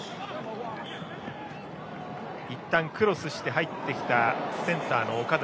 いったんクロスして入ってきたセンターの岡崎。